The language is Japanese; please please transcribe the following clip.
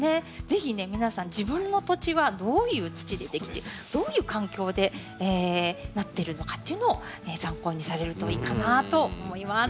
是非ね皆さん自分の土地はどういう土でできてどういう環境でなってるのかというのを参考にされるといいかなと思います。